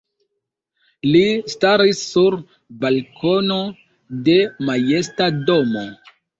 Li staris sur balkono de majesta domo.